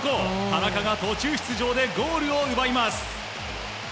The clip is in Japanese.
田中が途中出場でゴールを奪います。